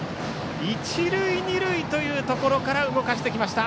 一塁二塁というところから動かしてきました。